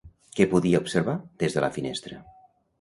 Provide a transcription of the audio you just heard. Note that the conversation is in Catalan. Què podia observar des de la finestra?